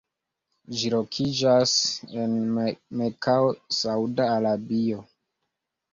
Ĝi lokiĝas en Mekao, Sauda Arabio.